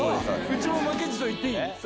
うちも負けじと言っていい？